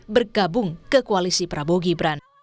bergabung ke koalisi prabowo gibran